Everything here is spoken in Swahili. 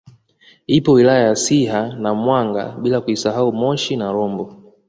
Ipo wilaya ya Siha na Mwanga bila kuisahau Moshi na Rombo